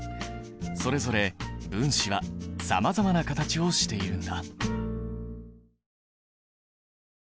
それぞれ分子はさまざまな形をしているんだ。